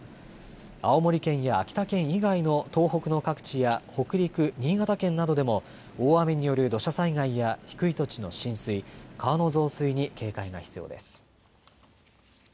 青森県や秋田県以外の東北の各地や北陸、新潟県などでも大雨による土砂災害や低い土地の浸水、川の増水に警戒が必要です。